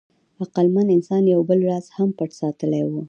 عقلمن انسان یو بل راز هم پټ ساتلی و.